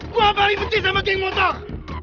gue apa yang benci sama geng motok